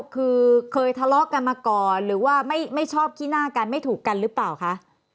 คือเคยทะเลาะกันมาก่อนหรือว่าไม่ชอบขี้หน้ากันไม่ถูกกันหรือเปล่าคะ